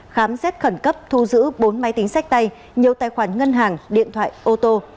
khám xét khẩn cấp thu giữ bốn máy tính sách tay nhiều tài khoản ngân hàng điện thoại ô tô